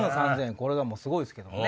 これがもうすごいですけどね。